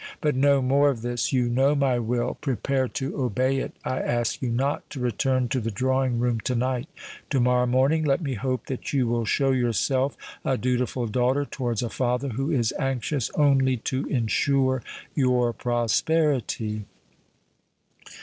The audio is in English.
"But no more of this. You know my will—prepare to obey it. I ask you not to return to the drawing room to night;—to morrow morning let me hope that you will show yourself a dutiful daughter towards a father who is anxious only to ensure your prosperity."